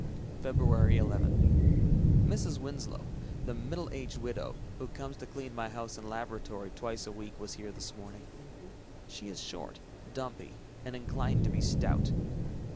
Feb. 11 Mrs. Winslow, the middle aged widow, who comes to clean my house and laboratory twice a week, was here this morning. She is short, dumpy, and inclined to be stout.